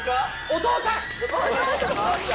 お父さん。